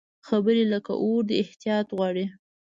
خبرې لکه اور دي، احتیاط غواړي